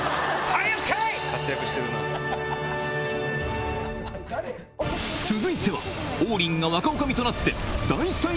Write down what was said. はい。